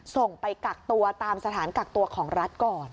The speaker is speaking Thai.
ส่งไปกักตัวตามสถานกักตัวของรัฐก่อน